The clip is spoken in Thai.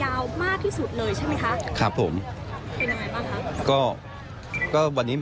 แล้วก็มีประชาชนหลังไหลมาต่อแถวกันยาวมากที่สุดเลยใช่ไหมคะ